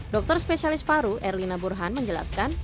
dokter spesialis paru erlina burhan menjelaskan